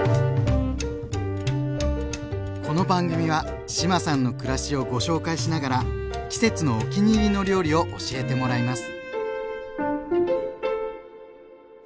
この番組は志麻さんの暮らしをご紹介しながら季節のお気に入りの料理を教えてもらいます。